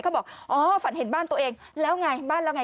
บอกอ๋อฝันเห็นบ้านตัวเองแล้วไงบ้านแล้วไง